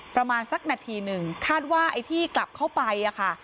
ประมาณสักนาทีหนึ่งคาดว่าไอ้ที่กลับเข้าไปอะค่ะ